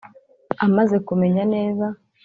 amaze kumenya neza